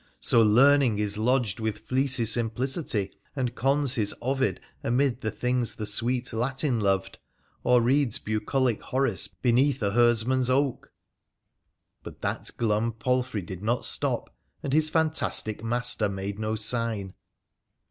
' So Learning is lodged with fleecy Simplicity, and cons his Ovid amid the things the sweet Latin loved, or reads bucolic Horace beneath a herdsman's oak !' But that glum palfrey did not stop, and his fantastic master made no sign.